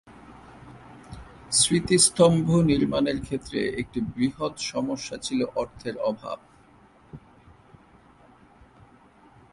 স্মৃতিস্তম্ভ নির্মাণের ক্ষেত্রে একটি বৃহৎ সমস্যা ছিল অর্থের অভাব।